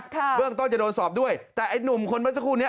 เบื้องต้นจะโดนสอบด้วยแต่ไอ้หนุ่มคนเมื่อสักครู่นี้